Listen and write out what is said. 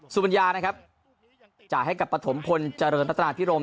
สุบัญญานะครับจ่ายให้กับปฐมพลเจริญรัฐนาพิรม